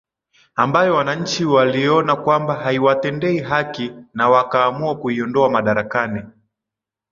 ambayo wananchi waliona kwamba haiwatendei haki na wakaamua kuiondoa madarakani